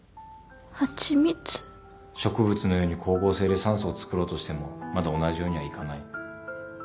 植物のように光合成で酸素をつくろうとしてもまだ同じようにはいかない。